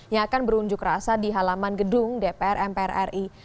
yang akan berunjuk rasa di halaman gedung dpr mpr ri